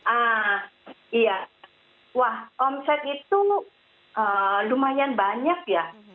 ah iya wah omset itu lumayan banyak ya